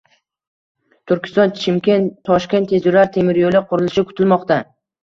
Turkiston—Chimkent—Toshkent tezyurar temiryo‘li qurilishi kutilmoqda